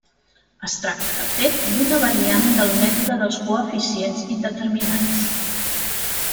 Es tracta, de fet, d'una variant del mètode dels coeficients indeterminats.